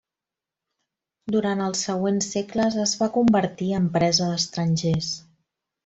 Durant els següents segles es va convertir en presa d'estrangers.